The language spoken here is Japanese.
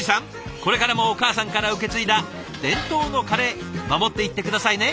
これからもお母さんから受け継いだ伝統のカレー守っていって下さいね。